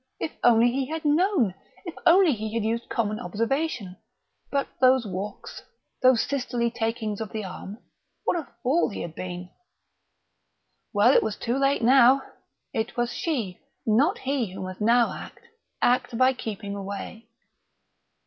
If only he had known! If only he had used common observation! But those walks, those sisterly takings of the arm what a fool he had been!... Well, it was too late now. It was she, not he, who must now act act by keeping away.